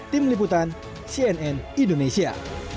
tim liputan cnn indonesia